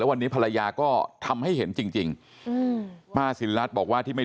วันนี้ภรรยาก็ทำให้เห็นจริงจริงอืมป้าสินรัฐบอกว่าที่ไม่